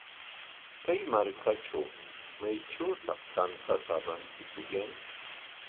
Kay markatraw, ¿maytrawtaq tantata rantikuyan?